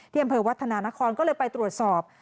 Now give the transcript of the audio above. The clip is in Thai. อำเภอวัฒนานครก็เลยไปตรวจสอบ